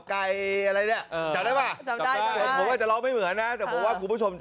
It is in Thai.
เพราะว่าผมพูดเรื่องจริงพูดมาจากหัวใจ